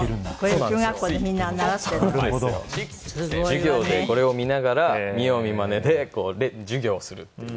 授業でこれを見ながら見よう見まねでこう授業するっていう。